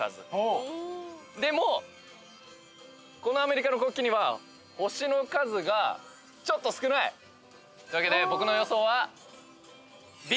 でもこのアメリカの国旗には星の数がちょっと少ない。というわけで僕の予想はＢ。